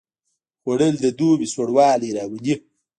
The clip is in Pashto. خوړل د دوبي سوړ والی راولي